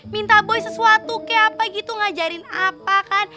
minta boy sesuatu kayak apa gitu ngajarin apa kan